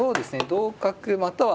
同角または。